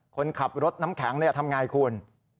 คนขับรถน้ำแข็งทำอย่างไรคุณ